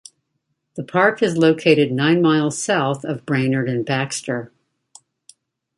The park is located nine miles south of Brainerd and Baxter.